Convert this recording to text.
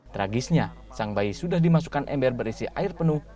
tragisnya sang bayi sudah dimasukkan ember berisi air penuh